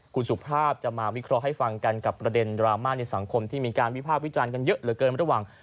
คุณสุภาพจะมาวิเคราะห์ให้ฟังกันกับประเด็นดราม่าในสังคมที่มีการวิภาควิจารณ์กันเยอะเหลือเกินระหว่าง